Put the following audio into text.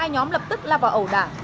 hai nhóm lập tức la vào ẩu đả